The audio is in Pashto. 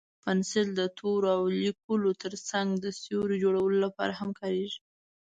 پنسل د تورو او لیکلو تر څنګ د سیوري جوړولو لپاره هم کارېږي.